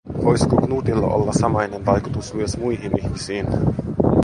Voisiko Knutilla olla samainen vaikutus myös muihin ihmisiin?